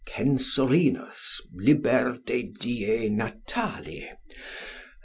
Censorinus, lib. de die natali.